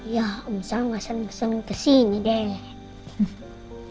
ya om sal gak seneng seneng kesini deh